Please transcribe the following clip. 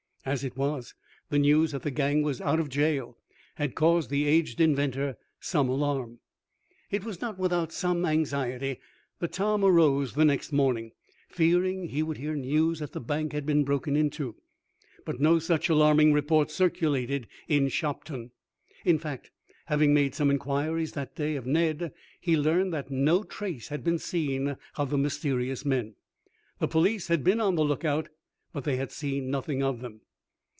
As it was, the news that the gang was out of jail had caused the aged inventor some alarm. It was not without some anxiety that Tom arose the next morning, fearing he would hear news that the bank had been broken into, but no such alarming report circulated in Shopton. In fact having made some inquiries that day of Ned, he learned that no trace had been seen of the mysterious men. The police had been on the lookout, but they had seen nothing of them.